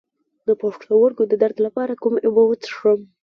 د پښتورګو د درد لپاره کومې اوبه وڅښم؟